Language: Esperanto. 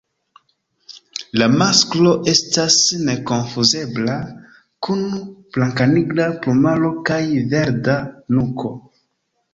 La masklo estas nekonfuzebla, kun blankanigra plumaro kaj verda nuko.